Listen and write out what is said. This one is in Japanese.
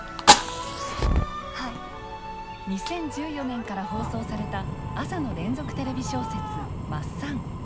２０１４年から放送された朝の連続テレビ小説「マッサン」。